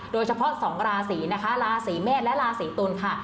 โดยเฉพาะสองราศีนะคะราศีเมษและราศีตุลค่ะ